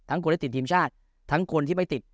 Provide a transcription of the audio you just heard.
คนที่ติดทีมชาติทั้งคนที่ไม่ติด